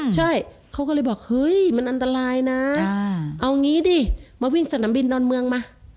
ใช่เขาก็เลยบอกเฮ้ยมันอันตรายนะเอางี้ดิมาวิ่งสนามบินดอนเมืองมา